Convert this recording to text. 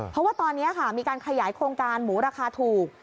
เพราะว่าตอนนี้ค่ะมีการขยายโครงการหมูราคาถูก